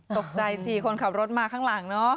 ตกใจสิคนขับรถมาข้างหลังเนอะ